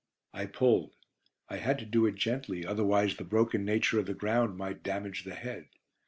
I pulled. I had to do it gently, otherwise the broken nature of the ground might damage the head.